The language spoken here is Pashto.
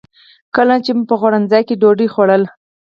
کله چې مو په خوړنځای کې ډوډۍ خوړله.